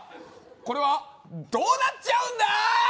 これはどうなっちゃうんだー？